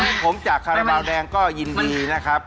ผมจากคาราบาลแดงก็ยินดีนะครับ